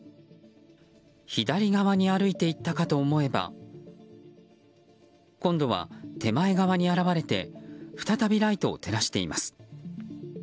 左側に歩いていったかと思えば今度は、手前側に現れて再びライトを照らしています。